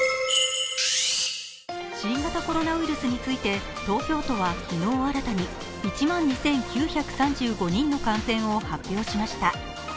新型コロナウイルスについて東京都は昨日新たに１万２９３５人の感染を発表しました。